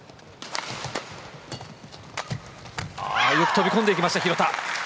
よく飛び込んでいきました廣田。